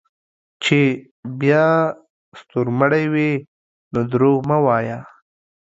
چې بیا ستورمړے وې نو دروغ مه وایه